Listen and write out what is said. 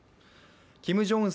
キム・ジョンウン